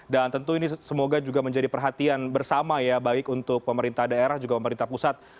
tentu ini semoga juga menjadi perhatian bersama ya baik untuk pemerintah daerah juga pemerintah pusat